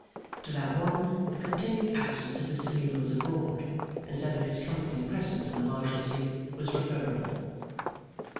To that one, the continued absence of Mr Meagles abroad, instead of his comforting presence in the Marshalsea, was referable.